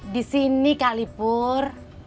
disini kali pur